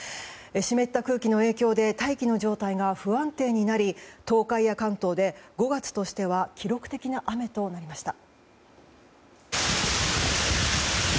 湿った空気の影響で大気の状態が不安定になり東海や関東で５月としては記録的な雨となりました。